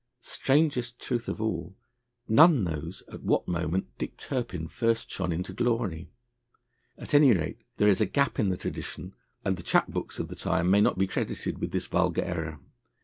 Strangest truth of all, none knows at what moment Dick Turpin first shone into glory. At any rate, there is a gap in the tradition, and the chap books of the time may not be credited with this vulgar error.